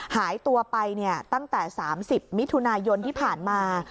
หายตัวไปตั้งแต่๓๐มิถุนายนที่ผ่านมา